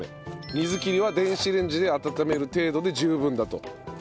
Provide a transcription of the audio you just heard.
水切りは電子レンジで温める程度で十分だと。